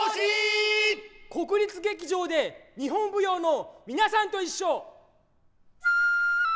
国立劇場で日本舞踊のみなさんといっしょ。